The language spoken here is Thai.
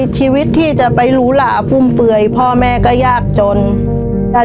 ชีวิตหนูเกิดมาเนี่ยอยู่กับดิน